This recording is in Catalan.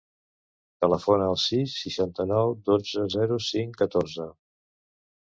Telefona al sis, setanta-nou, dotze, zero, cinc, catorze.